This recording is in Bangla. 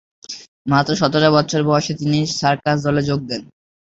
মাত্র সতের বৎসর বয়সে তিনি সার্কাস দলে যোগ দেন।